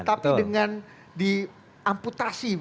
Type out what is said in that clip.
tapi dengan diamputasi